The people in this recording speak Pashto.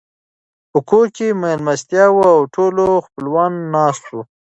په کور کې مېلمستيا وه او ټول خپلوان ناست وو.